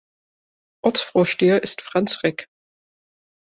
Ortsvorsteher ist Franz Reck.